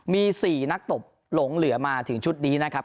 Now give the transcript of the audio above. มี๔นักตบหลงเหลือมาถึงชุดนี้นะครับ